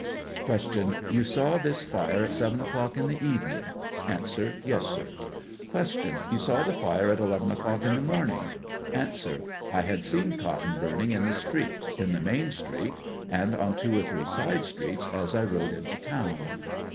Q. Tou saw this fire at 7 o'clock in the evening? A. Yes, sir. Q. You saw the fire at 11 o'clock in the morning? A. I had seen cotton burning in the street — in the main street — and on two or three side streets, as I rode into town